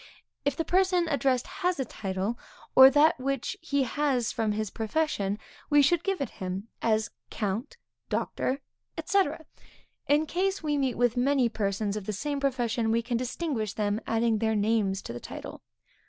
If the person addressed has a title, or that which he has from his profession, we should give it him, as Count, Doctor, &c. In case we meet with many persons of the same profession, we can then distinguish them, adding their name to the title.